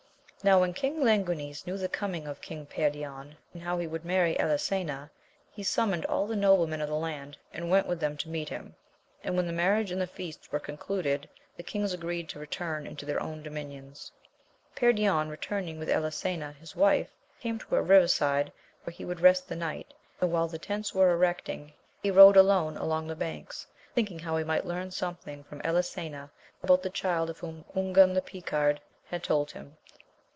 Now when King Languines knew the coming of King Perion, and how he would marry Elisena, he summoned all the noble men of the land, and went with them to meet him, and when the marriage and the feasts were concluded, the kings agreed to return into their own dominions. Perion returning with Elisena his wife, came to a river side where he would rest that night, and while the tents were erecting, he rode alone along the banks, thinking how he might learn something from Elisena about the child of whom Ungan the Picard had told him.